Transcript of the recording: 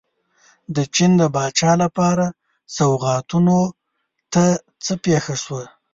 د چین د پاچا لپاره سوغاتونو ته څه پېښه شوه.